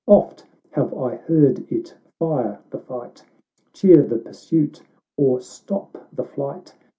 Oft have I heard it fire the fight, Cheer the pursuit, or stop the flight.